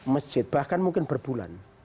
masjid bahkan mungkin berbulan